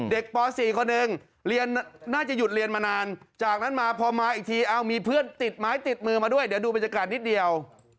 ป๔คนหนึ่งเรียนน่าจะหยุดเรียนมานานจากนั้นมาพอมาอีกทีมีเพื่อนติดไม้ติดมือมาด้วยเดี๋ยวดูบรรยากาศนิดเดียว